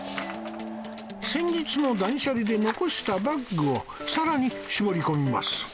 先日の断捨離で残したバッグをさらに絞り込みます